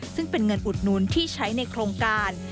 ซึ่งเป็นเงินอุดหนุนที่ใช้ในโครงการ